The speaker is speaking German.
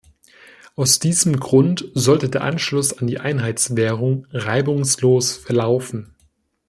Aus diesem Grund sollte der Anschluss an die Einheitswährung reibungslos verlaufen.